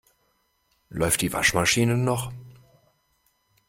Läuft die Waschmaschine noch?